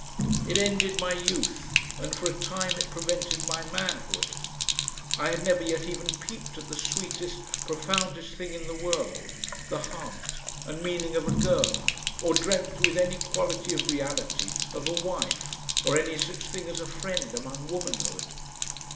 It ended my youth, and for a time it prevented my manhood. I had never yet even peeped at the sweetest, profoundest thing in the world, the heart and meaning of a girl, or dreamt with any quality of reality of a wife or any such thing as a friend among womanhood.